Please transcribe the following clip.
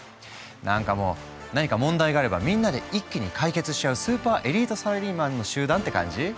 なんかもう何か問題があればみんなで一気に解決しちゃうスーパーエリートサラリーマンの集団って感じ？